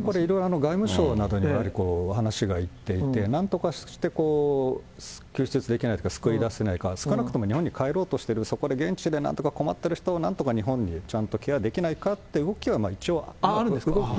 これ、いろいろ外務省などにやはり話がいっていて、なんとかして救出できないか、救い出せないか、少なくとも日本に帰ろうとしている、そこから現地で困ってる人をなんとか日本でちゃんとケアできないあるんですか。